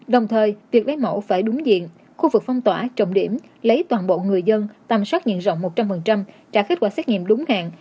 đồng thời việc lấy mẫu phải đúng diện khu vực phong tỏa trọng điểm lấy toàn bộ người dân tầm soát nghiện rộng một trăm linh trả kết quả xét nghiệm đúng hạn